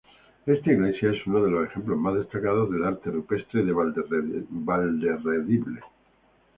Esta iglesia es uno de los ejemplos más destacados del Arte rupestre de Valderredible.